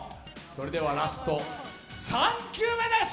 それではラスト３球目です！